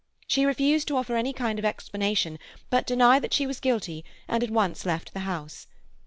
She refused to offer any kind of explanation, but denied that she was guilty and at once left the house.